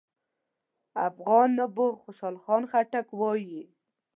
افغان نبوغ خوشحال خان خټک وايي: